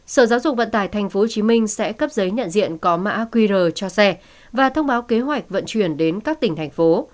sở giáo dục vận tải tp hcm sẽ cấp giấy nhận diện có mã qr cho xe và thông báo kế hoạch vận chuyển đến các tỉnh thành phố